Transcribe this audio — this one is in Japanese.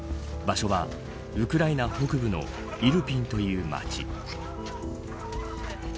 場所はウクライナ北部のイルピンという街。